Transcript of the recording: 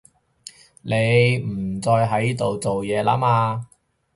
你唔再喺度做嘢啦嘛